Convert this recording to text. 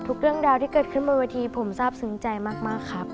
ทุกเรื่องดาวที่เกิดขึ้นบนวัฒนีผมทราบสึงใจมากครับ